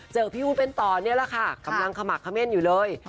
พี่อู๋เป็นต่อนี่แหละค่ะกำลังขมักเขม่นอยู่เลย